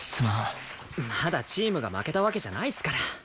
まだチームが負けたわけじゃないっすから。